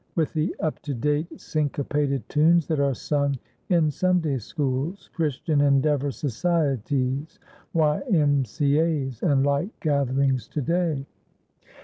with the up to date, syncopated tunes that are sung in Sunday Schools, Christian Endeavor Societies, Y.M.C.A.'s and like gatherings to day.